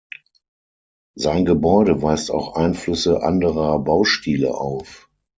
Sein Gebäude weist auch Einflüsse anderer Baustile auf.